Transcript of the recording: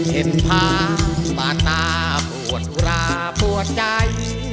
เห็นพามาตาปวดอุราปวดใจ